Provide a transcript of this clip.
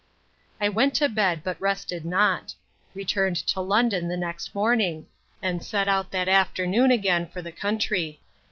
I went to bed, but rested not; returned to London the next morning; and set out that afternoon again for the country.